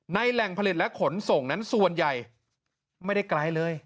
แหล่งผลิตและขนส่งนั้นส่วนใหญ่ไม่ได้ไกลเลย